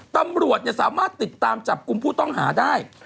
ตำรวจสามารถติดตามจับกลุ่มผู้ต้องหาได้